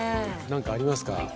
何かありますか？